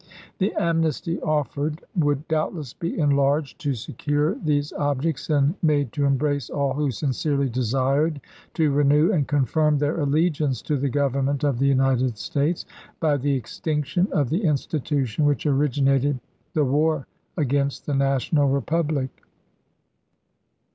The am nesty offered would doubtless be enlarged to se cure these objects and made to embrace all who sincerely desired to renew and confirm their alle giance to the Government of the United States by the extinction of the institution which originated the war against the National Kepublic.